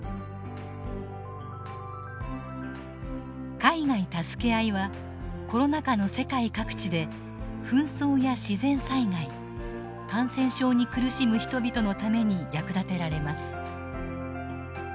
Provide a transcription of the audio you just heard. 「海外たすけあい」はコロナ禍の世界各地で紛争や自然災害感染症に苦しむ人々のために役立てられます。